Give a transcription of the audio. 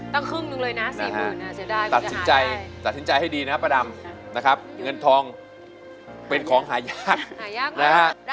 ตั้งครึ่งหนึ่งเลยนะสี่หมื่นอ่ะเสียดายตัดสินใจให้ดีนะครับปลาดำนะครับเงินทองเป็นของหายาก